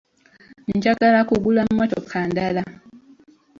Enjala kugula mmotoka ndala.